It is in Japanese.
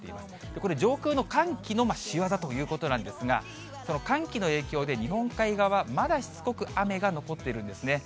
これ、上空の寒気の仕業ということなんですが、寒気の影響で日本海側、まだしつこく雨が残っているんですね。